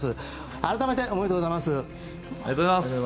改めておめでとうございます。